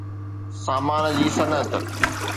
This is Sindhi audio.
سامان جي صنعت